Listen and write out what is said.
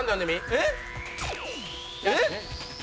えっ！